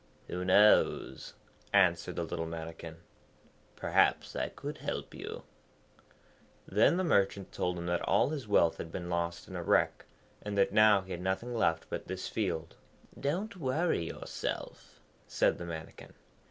'Who knows,' answered the little Mannikin. 'Perhaps I could help you.' Then the Merchant told him that all his wealth had been lost in a wreck, and that now he had nothing left but this field. 'Don't worry yourself,' said the Mannikin.